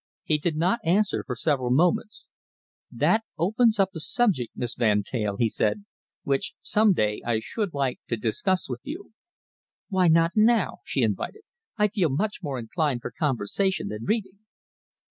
He did not answer for several moments. "That opens up a subject, Miss Van Teyl," he said, "which some day I should like to discuss with you." "Why not now?" she invited. "I feel much more inclined for conversation than reading."